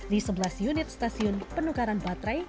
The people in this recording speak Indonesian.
di sebelas unit stasiun penukaran baterai